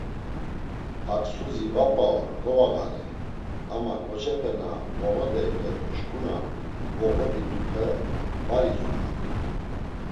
Haksuzi va p̌a or govağari, ama ǩoçepe na moğodeype do şǩuna voğoditupe var izumen.